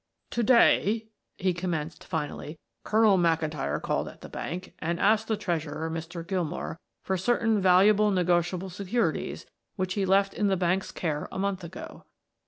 "To day," he commenced finally, "Colonel McIntyre called at the bank and asked the treasurer, Mr. Gilmore, for certain valuable negotiable securities which he left in the bank's care a month ago.